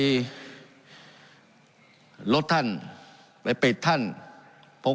การปรับปรุงทางพื้นฐานสนามบิน